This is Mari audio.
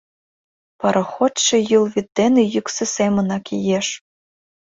Пароходшо Юл вӱд дене йӱксӧ семынак иеш.